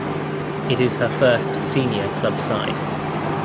It is her first senior club side.